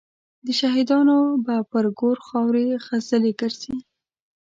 د شهیدانو به پر ګور خاوري خزلي ګرځي